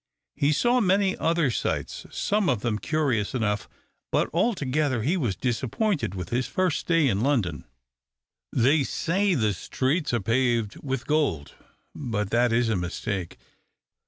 He saw many other sights, some of them curious enough but altogether he was disappointed with this his first day in London. "They say that the streets are paved with gold; but that is a mistake.